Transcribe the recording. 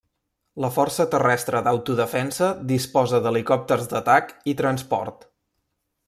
La força terrestre d'autodefensa disposa d'helicòpters d'atac i transport.